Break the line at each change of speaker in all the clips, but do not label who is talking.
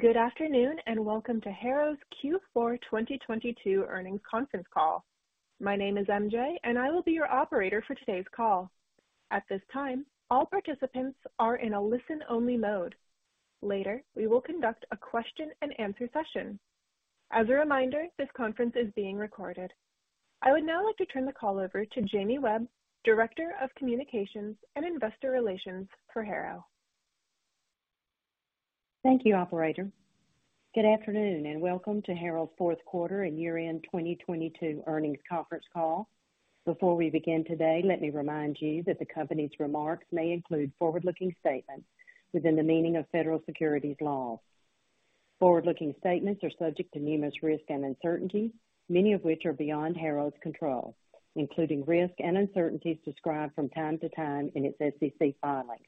Good afternoon, welcome to Harrow's Q4 2022 earnings conference call. My name is MJ, I will be your operator for today's call. At this time, all participants are in a listen-only mode. Later, we will conduct a question-and-answer session. As a reminder, this conference is being recorded. I would now like to turn the call over to Jamie Webb, Director of Communications and Investor Relations for Harrow.
Thank you, operator. Good afternoon, and welcome to Harrow's fourth quarter and year-end 2022 earnings conference call. Before we begin today, let me remind you that the company's remarks may include forward-looking statements within the meaning of federal securities laws. Forward-looking statements are subject to numerous risks and uncertainties, many of which are beyond Harrow's control, including risks and uncertainties described from time to time in its SEC filings,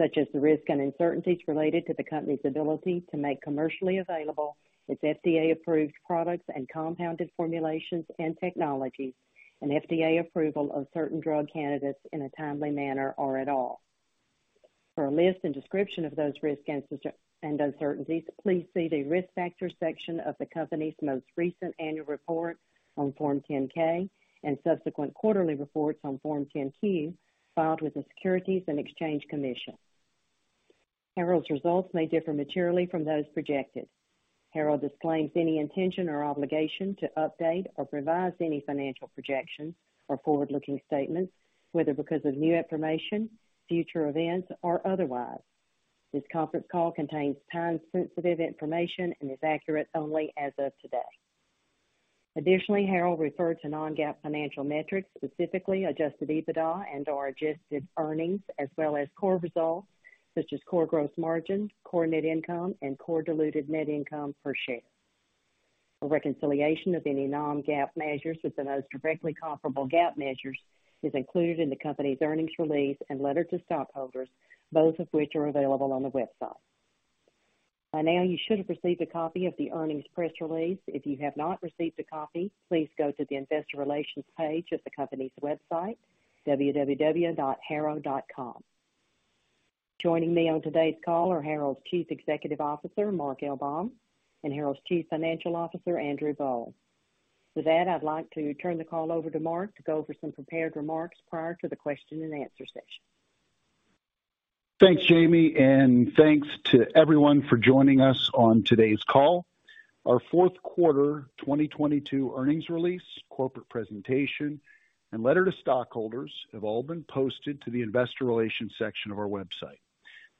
such as the risks and uncertainties related to the company's ability to make commercially available its FDA-approved products and compounded formulations and technologies and FDA approval of certain drug candidates in a timely manner or at all. For a list and description of those risks and uncertainties, please see the Risk Factors section of the company's most recent annual report on Form 10-K and subsequent quarterly reports on Form 10-Q filed with the Securities and Exchange Commission. Harrow's results may differ materially from those projected. Harrow disclaims any intention or obligation to update or revise any financial projections or forward-looking statements, whether because of new information, future events, or otherwise. This conference call contains time-sensitive information and is accurate only as of today. Harrow referred to Non-GAAP financial metrics, specifically adjusted EBITDA and/or adjusted earnings, as well as core results such as core gross margin, core net income, and core diluted net income per share. A reconciliation of any Non-GAAP measures with the most directly comparable GAAP measures is included in the company's earnings release and letter to stockholders, both of which are available on the website. By now, you should have received a copy of the earnings press release. If you have not received a copy, please go to the investor relations page of the company's website, www.harrow.com. Joining me on today's call are Harrow's Chief Executive Officer, Mark Baum, and Harrow's Chief Financial Officer, Andrew Boll. With that, I'd like to turn the call over to Mark to go over some prepared remarks prior to the question and answer session.
Thanks, Jamie, and thanks to everyone for joining us on today's call. Our 4th quarter 2022 earnings release, corporate presentation, and letter to stockholders have all been posted to the investor relations section of our website.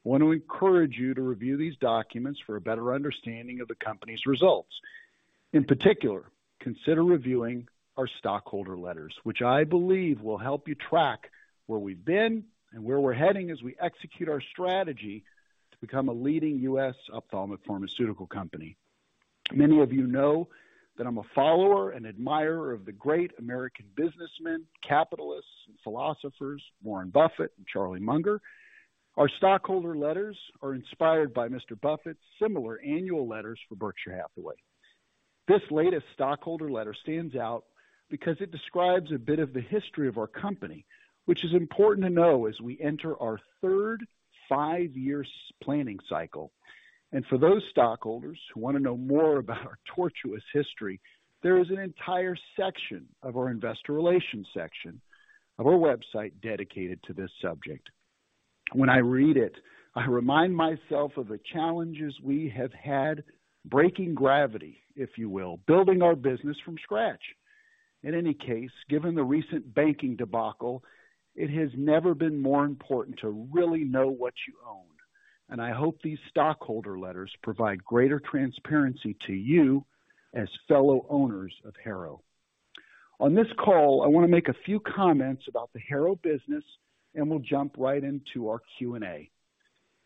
I want to encourage you to review these documents for a better understanding of the company's results. In particular, consider reviewing our stockholder letters, which I believe will help you track where we've been and where we're heading as we execute our strategy to become a leading U.S. ophthalmic pharmaceutical company. Many of you know that I'm a follower and admirer of the great American businessmen, capitalists, and philosophers Warren Buffett and Charlie Munger. Our stockholder letters are inspired by Mr. Buffett's similar annual letters for Berkshire Hathaway. This latest stockholder letter stands out because it describes a bit of the history of our company, which is important to know as we enter our third five-year s-planning cycle. For those stockholders who want to know more about our tortuous history, there is an entire section of our investor relations section of our website dedicated to this subject. When I read it, I remind myself of the challenges we have had breaking gravity, if you will, building our business from scratch. In any case, given the recent banking debacle, it has never been more important to really know what you own, and I hope these stockholder letters provide greater transparency to you as fellow owners of Harrow. On this call, I want to make a few comments about the Harrow business, and we'll jump right into our Q&A.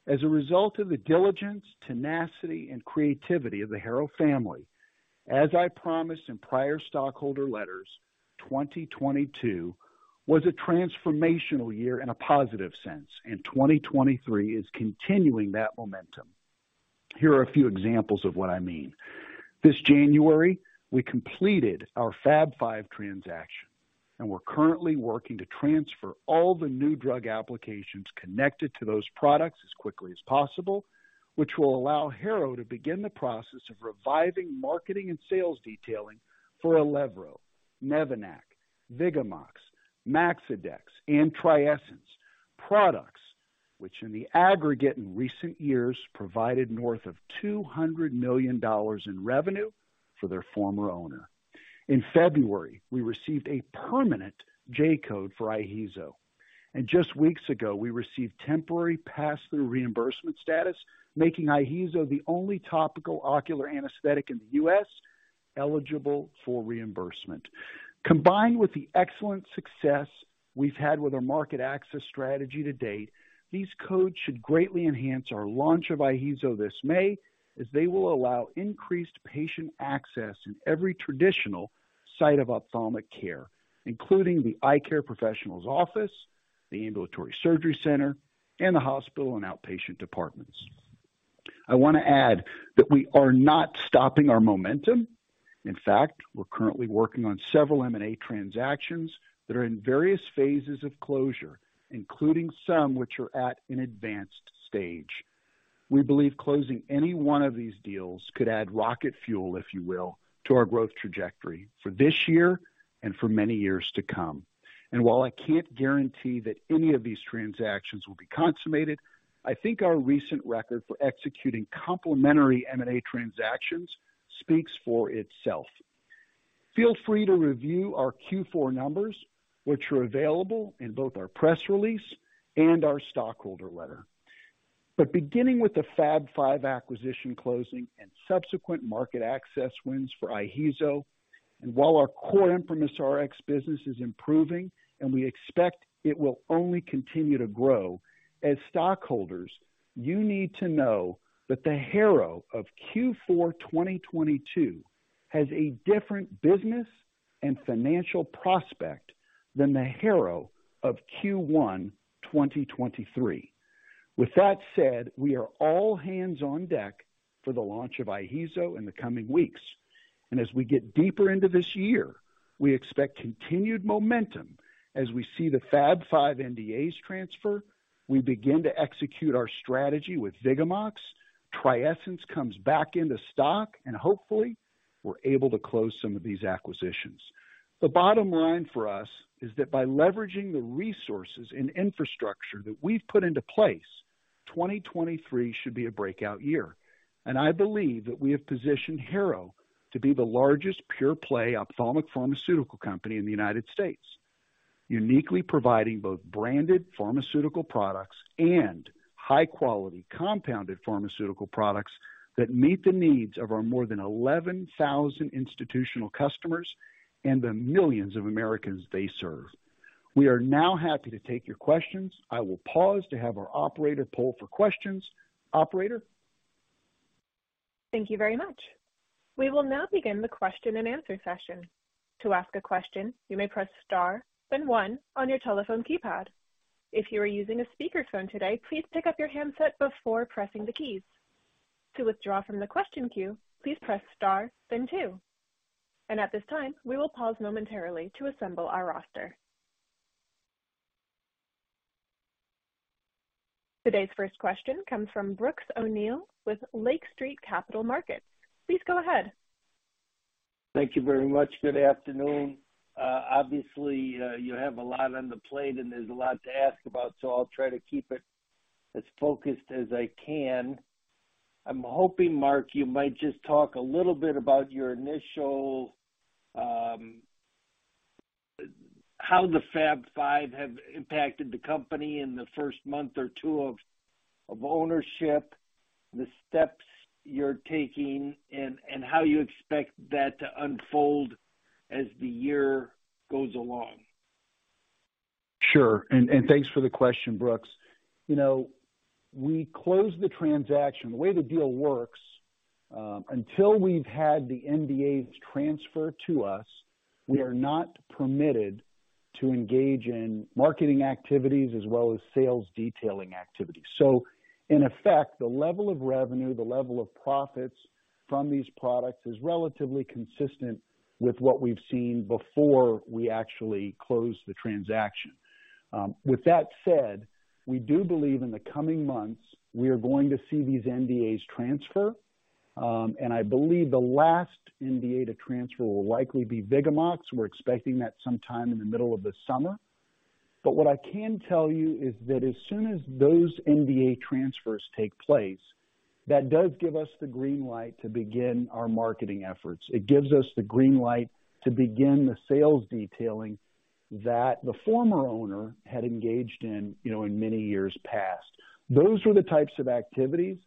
As a result of the diligence, tenacity, and creativity of the Harrow family, as I promised in prior stockholder letters, 2022 was a transformational year in a positive sense, 2023 is continuing that momentum. Here are a few examples of what I mean. This January, we completed our Fab Five transaction. We're currently working to transfer all the new drug applications connected to those products as quickly as possible, which will allow Harrow to begin the process of reviving marketing and sales detailing for ILEVRO, Nevanac, Vigamox, Maxidex, and TRIESENCE, products which in the aggregate in recent years provided north of $200 million in revenue for their former owner. In February, we received a permanent J-code for IHEEZO. Just weeks ago, we received temporary pass-through reimbursement status, making IHEEZO the only topical ocular anesthetic in the U.S. eligible for reimbursement. Combined with the excellent success we've had with our market access strategy to date, these codes should greatly enhance our launch of IHEEZO this May, as they will allow increased patient access in every traditional site of ophthalmic care, including the eye care professional's office, the ambulatory surgery center, and the hospital and outpatient departments. I want to add that we are not stopping our momentum. In fact, we're currently working on several M&A transactions that are in various phases of closure, including some which are at an advanced stage. We believe closing any one of these deals could add rocket fuel, if you will, to our growth trajectory for this year and for many years to come. While I can't guarantee that any of these transactions will be consummated, I think our recent record for executing complementary M&A transactions speaks for itself. Feel free to review our Q4 numbers, which are available in both our press release and our stockholder letter. Beginning with the Fab Five acquisition closing and subsequent market access wins for IHEEZO, and while our core ImprimisRx business is improving and we expect it will only continue to grow, as stockholders, you need to know that the Harrow of Q4 2022 has a different business and financial prospect than the Harrow of Q1 2023. With that said, we are all hands on deck for the launch of IHEEZO in the coming weeks. As we get deeper into this year, we expect continued momentum as we see the Fab Five NDAs transfer, we begin to execute our strategy with Vigamox, TRIESENCE comes back into stock, and hopefully we're able to close some of these acquisitions. The bottom line for us is that by leveraging the resources and infrastructure that we've put into place, 2023 should be a breakout year. I believe that we have positioned Harrow to be the largest pure play ophthalmic pharmaceutical company in the United States, uniquely providing both branded pharmaceutical products and high-quality compounded pharmaceutical products that meet the needs of our more than 11,000 institutional customers and the millions of Americans they serve. We are now happy to take your questions. I will pause to have our operator pull for questions. Operator.
Thank you very much. We will now begin the question-and-answer session. To ask a question, you may press star then one on your telephone keypad. If you are using a speakerphone today, please pick up your handset before pressing the keys. To withdraw from the question queue, please press star then two. At this time, we will pause momentarily to assemble our roster. Today's first question comes from Brooks O'Neil with Lake Street Capital Markets. Please go ahead.
Thank you very much. Good afternoon. Obviously, you have a lot on the plate and there's a lot to ask about, so I'll try to keep it as focused as I can. I'm hoping, Mark, you might just talk a little bit about your initial, how the Fab Five have impacted the company in the first month or two of ownership, the steps you're taking and how you expect that to unfold as the year goes along.
Sure. Thanks for the question, Brooks. You know, we closed the transaction. The way the deal works, until we've had the NDAs transfer to us, we are not permitted to engage in marketing activities as well as sales detailing activities. In effect, the level of revenue, the level of profits from these products is relatively consistent with what we've seen before we actually closed the transaction. With that said, we do believe in the coming months, we are going to see these NDAs transfer. And I believe the last NDA to transfer will likely be Vigamox. We're expecting that sometime in the middle of the summer. What I can tell you is that as soon as those NDA transfers take place, that does give us the green light to begin our marketing efforts. It gives us the green light to begin the sales detailing that the former owner had engaged in, you know, in many years past. Those were the types of activities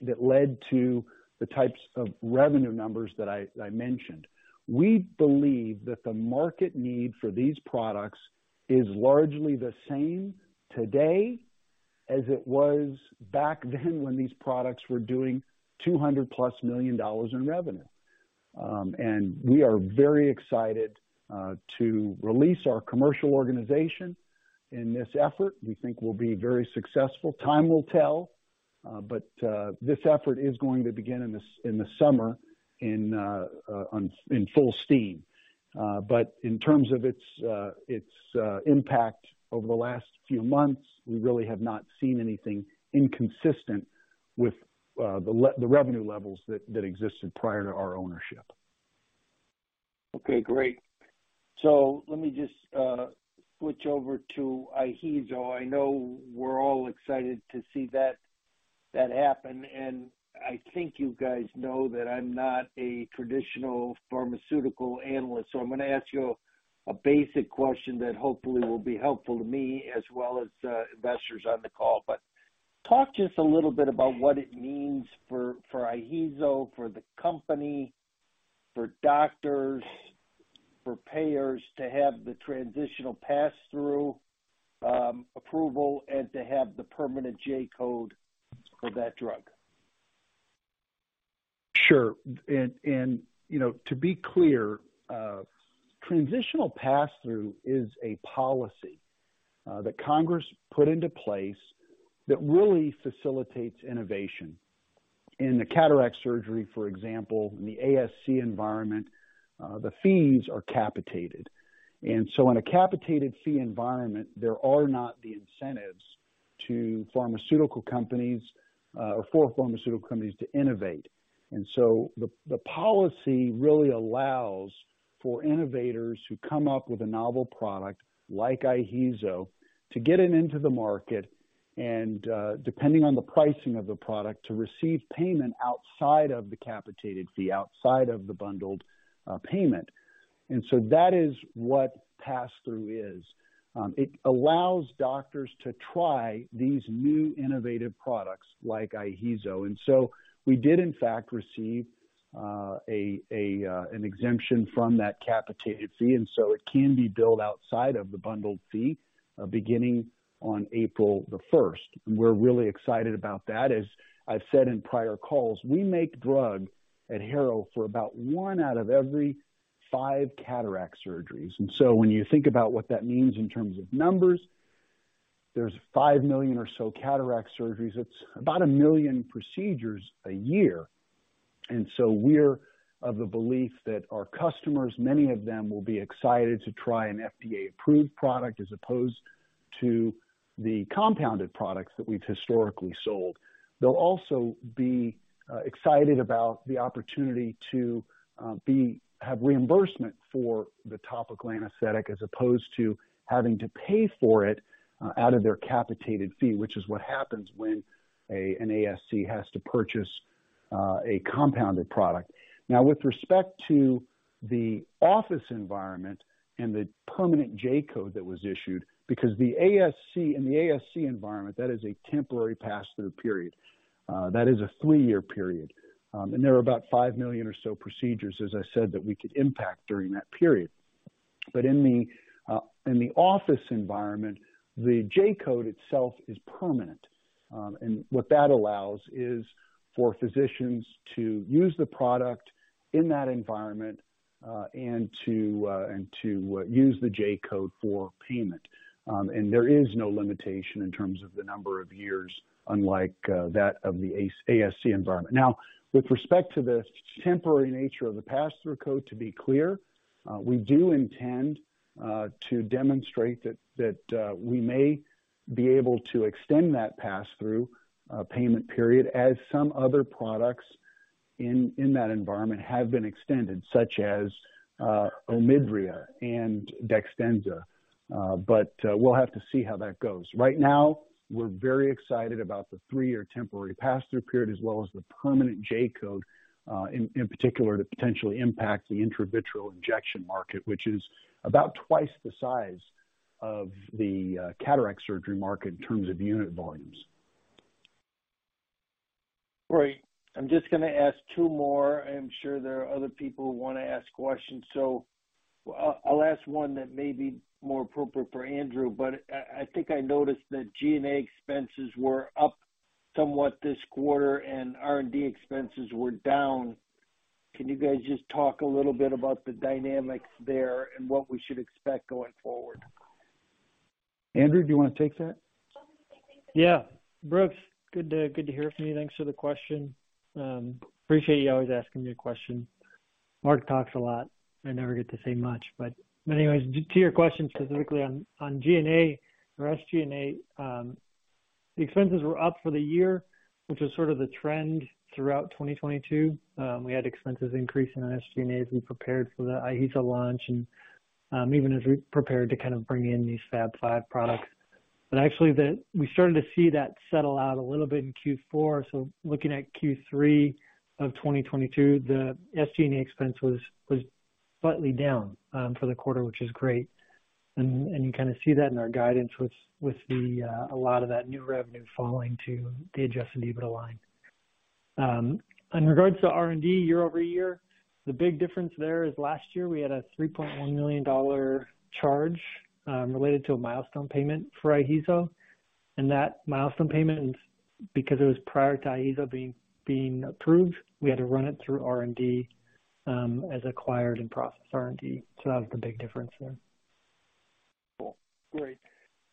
that led to the types of revenue numbers that I mentioned. We believe that the market need for these products is largely the same today as it was back then when these products were doing $200+ million in revenue. We are very excited to release our commercial organization in this effort. We think we'll be very successful. Time will tell. This effort is going to begin in the summer in full steam. In terms of its impact over the last few months, we really have not seen anything inconsistent with the revenue levels that existed prior to our ownership.
Okay, great. Let me just switch over to IHEEZO. I know we're all excited to see that happen. I think you guys know that I'm not a traditional pharmaceutical analyst, so I'm gonna ask you a basic question that hopefully will be helpful to me as well as investors on the call. Talk to us a little bit about what it means for IHEEZO, for the company, for doctors, for payers to have the transitional pass-through approval and to have the permanent J-Code for that drug.
Sure. you know, to be clear, transitional pass-through is a policy that Congress put into place that really facilitates innovation. In the cataract surgery, for example, in the ASC environment, the fees are capitated. In a capitated fee environment, there are not the incentives to pharmaceutical companies or for pharmaceutical companies to innovate. The policy really allows for innovators who come up with a novel product like IHEEZO to get it into the market and, depending on the pricing of the product, to receive payment outside of the capitated fee, outside of the bundled payment. That is what pass-through is. It allows doctors to try these new innovative products like IHEEZO. We did in fact receive an exemption from that capitated fee, and so it can be billed outside of the bundled fee beginning on April the 1st. We're really excited about that. As I've said in prior calls, we make drug at Harrow for about one out of every five cataract surgeries. When you think about what that means in terms of numbers, there's five million or so cataract surgeries. It's about one million procedures a year. We're of the belief that our customers, many of them will be excited to try an FDA-approved product as opposed to the compounded products that we've historically sold. They'll also be excited about the opportunity to have reimbursement for the topical anesthetic as opposed to having to pay for it out of their capitated fee, which is what happens when a, an ASC has to purchase a compounded product. With respect to the office environment and the permanent J-Code that was issued, because in the ASC environment, that is a temporary pass-through period. That is a three-year period. There are about five million or so procedures, as I said, that we could impact during that period. In the office environment, the J-Code itself is permanent. What that allows is for physicians to use the product in that environment, and to use the J-Code for payment. There is no limitation in terms of the number of years, unlike that of the ASC environment. With respect to the temporary nature of the pass-through code, to be clear, we do intend to demonstrate that we may be able to extend that pass-through payment period as some other products in that environment have been extended, such as OMIDRIA and DEXTENZA. We'll have to see how that goes. Right now, we're very excited about the three years temporary pass-through period as well as the permanent J-Code in particular, to potentially impact the intravitreal injection market, which is about two times the size of the cataract surgery market in terms of unit volumes.
Right. I'm just gonna ask two more. I'm sure there are other people who wanna ask questions, so I'll ask one that may be more appropriate for Andrew. I think I noticed that G&A expenses were up somewhat this quarter and R&D expenses were down. Can you guys just talk a little bit about the dynamics there and what we should expect going forward?
Andrew, do you wanna take that?
Yeah. Brooks, good to hear from you. Thanks for the question. Appreciate you always asking me a question. Mark talks a lot. I never get to say much. Anyways, to your question specifically on G&A or SG&A, the expenses were up for the year, which was sort of the trend throughout 2022. We had expenses increasing on SG&A as we prepared for the IHEEZO launch and even as we prepared to kind of bring in these Fab Five products. Actually, we started to see that settle out a little bit in Q4. Looking at Q3 of 2022, the SG&A expense was slightly down for the quarter, which is great. You kinda see that in our guidance with the a lot of that new revenue falling to the adjusted EBITDA line. In regards to R&D year-over-year, the big difference there is last year we had a $3.1 million charge related to a milestone payment for IHEEZO. That milestone payment, because it was prior to IHEEZO being approved, we had to run it through R&D as acquired in-process R&D. That was the big difference there.
Cool. Great.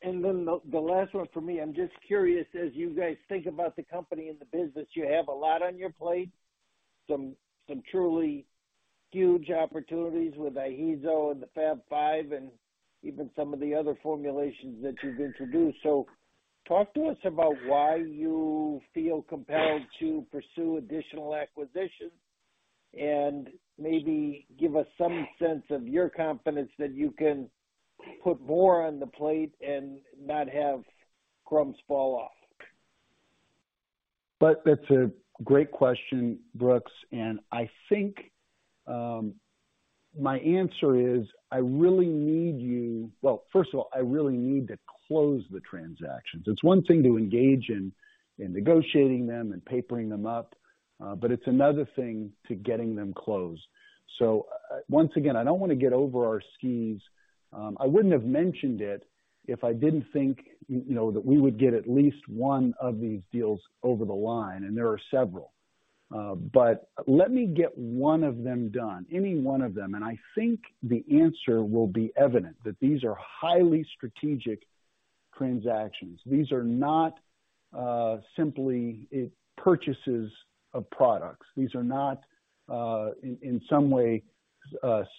The last one for me, I'm just curious, as you guys think about the company and the business, you have a lot on your plate, some truly huge opportunities with IHEEZO and the Fab Five and even some of the other formulations that you've introduced. Talk to us about why you feel compelled to pursue additional acquisitions, and maybe give us some sense of your confidence that you can put more on the plate and not have crumbs fall off?
That's a great question, Brooks, and I think my answer is Well, first of all, I really need to close the transactions. It's one thing to engage in negotiating them and papering them up, but it's another thing to getting them closed. Once again, I don't wanna get over our skis. I wouldn't have mentioned it if I didn't think, you know, that we would get at least one of these deals over the line, and there are several. Let me get one of them done, any one of them, and I think the answer will be evident that these are highly strategic transactions. These are not simply purchases of products. These are not, in some way,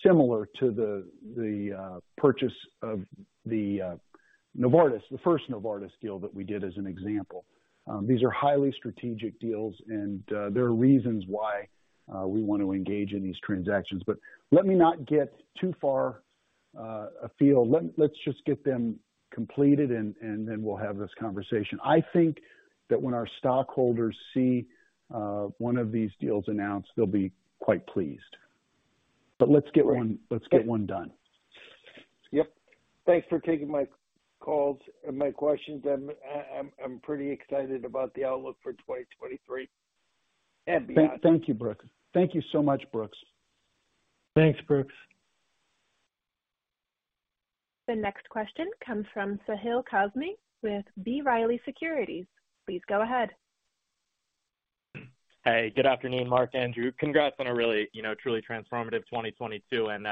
similar to the purchase of the Novartis, the first Novartis deal that we did as an example. These are highly strategic deals and there are reasons why we want to engage in these transactions. Let me not get too far afield. Let's just get them completed and then we'll have this conversation. I think that when our stockholders see one of these deals announced, they'll be quite pleased. Let's get one-
Right.
Let's get one done.
Yep. Thanks for taking my calls and my questions, I'm pretty excited about the outlook for 2023 and beyond.
Thank you, Brooks. Thank you so much, Brooks.
Thanks, Brooks.
The next question comes from Sahil Kazmi with B. Riley Securities. Please go ahead.
Hey, good afternoon, Mark, Andrew. Congrats on a really, you know, truly transformative 2022, and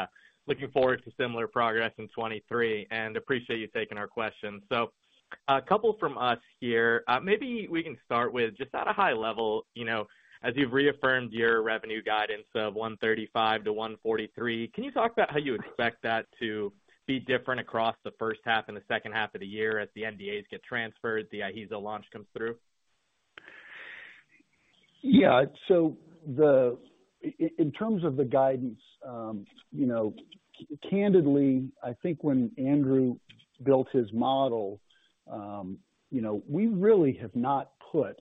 looking forward to similar progress in 2023. Appreciate you taking our question. A couple from us here. Maybe we can start with just at a high level, you know, as you've reaffirmed your revenue guidance of $135 million-$143 million, can you talk about how you expect that to be different across the first half and the second half of the year as the NDAs get transferred, the IHEEZO launch comes through?
Yeah. In terms of the guidance, you know, candidly, I think when Andrew built his model, you know, we really have not put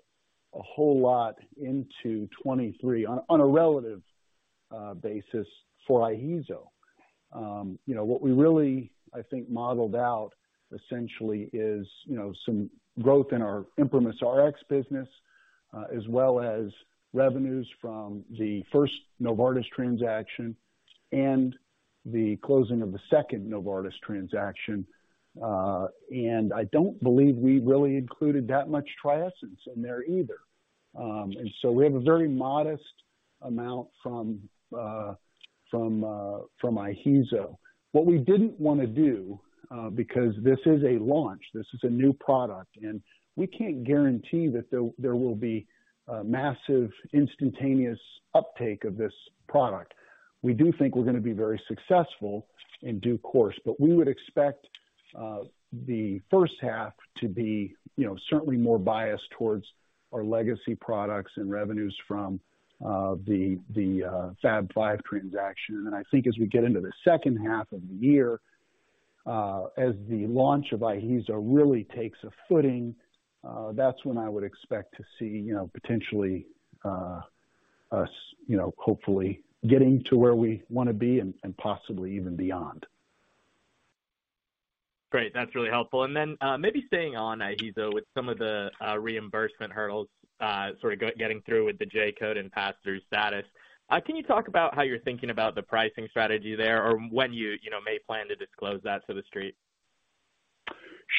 a whole lot into 23 on a relative basis for IHEEZO. You know, what we really, I think, modeled out essentially is, you know, some growth in our ImprimisRx business, as well as revenues from the first Novartis transaction and the closing of the second Novartis transaction. I don't believe we really included that much TRIESENCE in there either. We have a very modest amount from IHEEZO. What we didn't wanna do, because this is a launch, this is a new product, and we can't guarantee that there will be a massive instantaneous uptake of this product. We do think we're gonna be very successful in due course, but we would expect the first half to be, you know, certainly more biased towards our legacy products and revenues from the Fab Five transaction. I think as we get into the second half of the year, as the launch of IHEEZO really takes a footing, that's when I would expect to see, you know, potentially, us, you know, hopefully getting to where we wanna be and possibly even beyond.
Great. That's really helpful. Maybe staying on IHEEZO with some of the reimbursement hurdles, sort of getting through with the J-Code and pass-through status. Can you talk about how you're thinking about the pricing strategy there or when you know, may plan to disclose that to the street?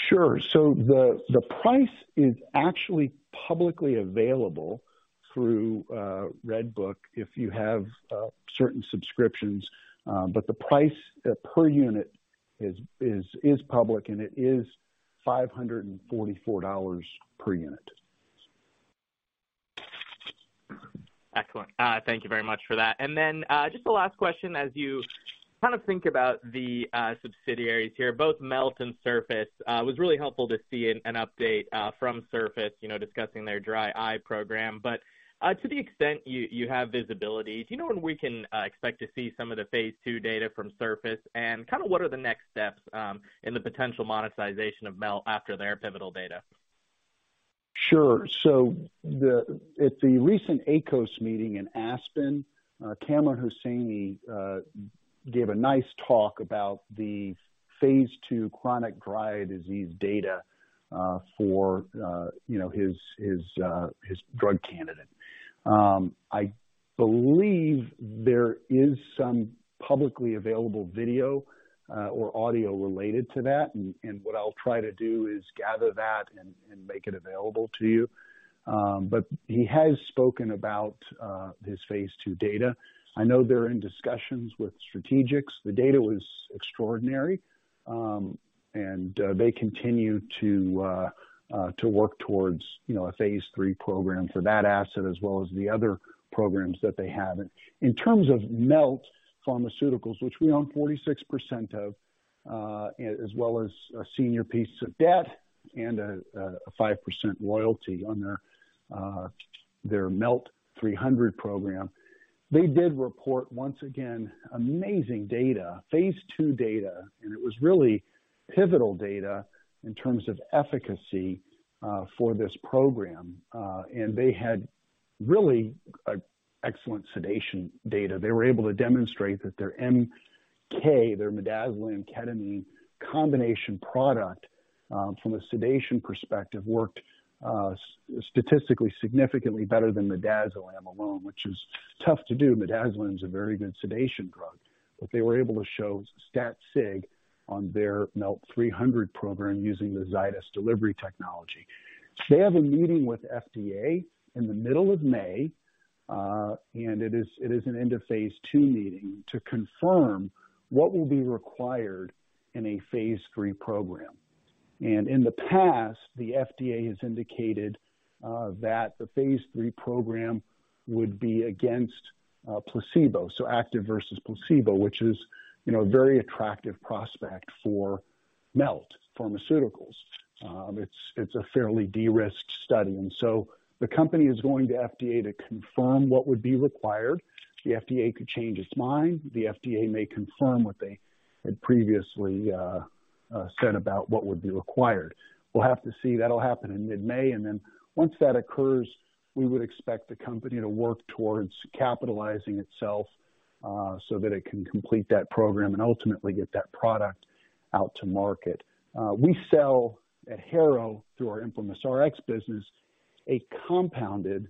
Sure. The price is actually publicly available through Red Book if you have certain subscriptions. The price per unit is public, and it is $544 per unit.
Excellent. Thank you very much for that. Then, just a last question, as you kind of think about the subsidiaries here, both Melt and Surface, it was really helpful to see an update from Surface, you know, discussing their dry eye program. To the extent you have visibility, do you know when we can expect to see some of the Phase II data from Surface? Kinda what are the next steps in the potential monetization of Melt after their pivotal data?
At the recent AECOS meeting in Aspen, Kamran Hosseini gave a nice talk about the Phase II chronic dry eye disease data for, you know, his drug candidate. I believe there is some publicly available video or audio related to that, and what I'll try to do is gather that and make it available to you. He has spoken about his Phase II data. I know they're in discussions with strategics. The data was extraordinary. They continue to work towards, you know, a Phase III program for that asset as well as the other programs that they have. In terms of Melt Pharmaceuticals, which we own 46% of, as well as senior pieces of debt and a 5% royalty on their MELT-300 program, they did report, once again, amazing data, Phase II data, and it was really pivotal data in terms of efficacy, for this program. They had really, excellent sedation data. They were able to demonstrate that their MK, their midazolam ketamine combination product, from a sedation perspective, worked, statistically significantly better than midazolam alone, which is tough to do. Midazolam is a very good sedation drug. They were able to show stat sig on their MELT-300 program using the Zydis delivery technology. They have a meeting with FDA in the middle of May, and it is an End of Phase II meeting to confirm what will be required in a Phase III program. In the past, the FDA has indicated that the Phase III program would be against placebo, so active versus placebo, which is, you know, a very attractive prospect for Melt Pharmaceuticals. It's a fairly de-risked study. The company is going to FDA to confirm what would be required. The FDA could change its mind. The FDA may confirm what they had previously said about what would be required. We'll have to see. That'll happen in mid-May, once that occurs, we would expect the company to work towards capitalizing itself so that it can complete that program and ultimately get that product out to market. We sell at Harrow through our ImprimisRx business, a compounded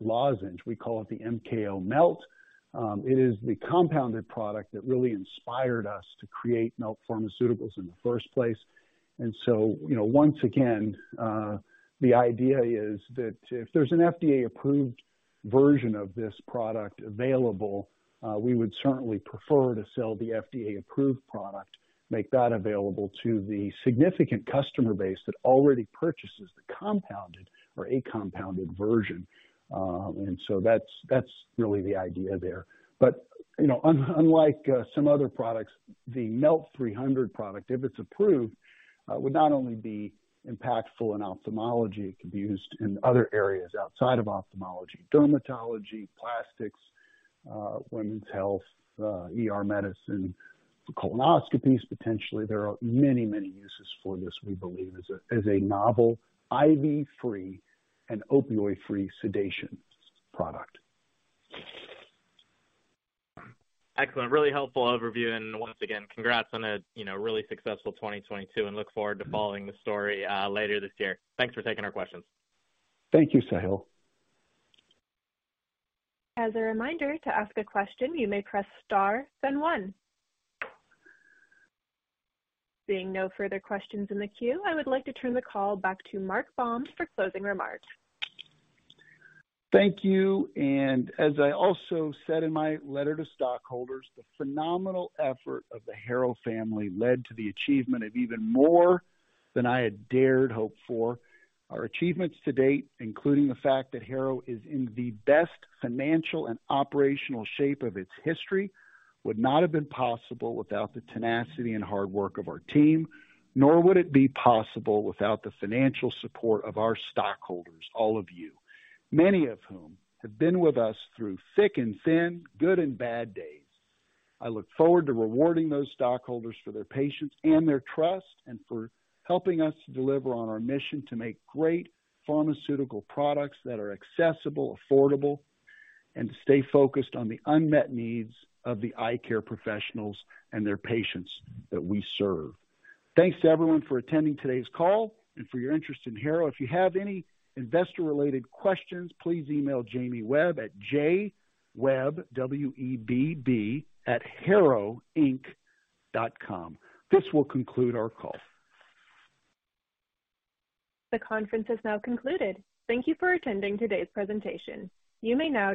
lozenge. We call it the MKO Melt. It is the compounded product that really inspired us to create Melt Pharmaceuticals in the first place. You know, once again, the idea is that if there's an FDA-approved version of this product available, we would certainly prefer to sell the FDA-approved product, make that available to the significant customer base that already purchases the compounded or a compounded version. That's, that's really the idea there. You know, unlike some other products, the MELT-300 product, if it's approved, would not only be impactful in ophthalmology. It could be used in other areas outside of ophthalmology, dermatology, plastics, women's health, ER medicine, for colonoscopies, potentially. There are many uses for this, we believe, as a novel IV-free and opioid-free sedation product.
Excellent. Really helpful overview. Once again, congrats on a, you know, really successful 2022 and look forward to following the story later this year. Thanks for taking our questions.
Thank you, Sahil.
As a reminder, to ask a question, you may press Star, then one. Seeing no further questions in the queue, I would like to turn the call back to Mark Baum for closing remarks.
Thank you. As I also said in my letter to stockholders, the phenomenal effort of the Harrow family led to the achievement of even more than I had dared hope for. Our achievements to date, including the fact that Harrow is in the best financial and operational shape of its history, would not have been possible without the tenacity and hard work of our team, nor would it be possible without the financial support of our stockholders, all of you, many of whom have been with us through thick and thin, good and bad days. I look forward to rewarding those stockholders for their patience and their trust and for helping us to deliver on our mission to make great pharmaceutical products that are accessible, affordable, and to stay focused on the unmet needs of the eye care professionals and their patients that we serve. Thanks to everyone for attending today's call and for your interest in Harrow. If you have any investor-related questions, please email Jamie Webb at jwebb, W-E-B-B, @harrowinc.com. This will conclude our call.
The conference has now concluded. Thank you for attending today's presentation. You may now disconnect.